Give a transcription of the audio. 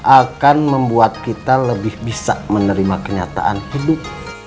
akan membuat kita lebih bisa menerima kenyataan hidup